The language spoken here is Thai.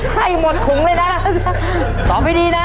ให้หมดถุงเลยนะตอบให้ดีนะ